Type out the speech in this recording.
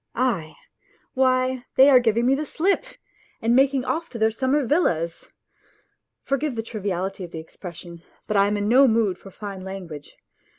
Aie ! Why, they are giving me the slip and making off to their summer villas ! For give the triviality of the expression, but I am in no mood for fine language